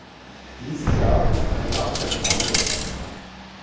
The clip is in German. Dieses Jahr ist Weihnachten anders.